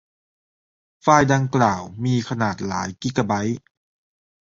ไฟล์ดังกล่าวมีขนาดหลายกิกะไบต์